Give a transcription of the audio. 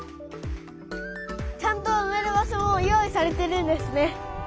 ちゃんとうめる場所も用意されてるんですね。